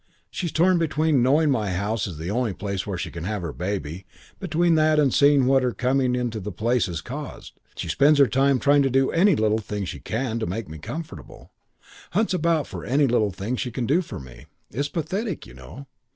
She's torn between knowing my house is the only place where she can have her baby, between that and seeing what her coming into the place has caused. She spends her time trying to do any little thing she can to make me comfortable, hunts about for any little thing she can do for me. It's pathetic, you know.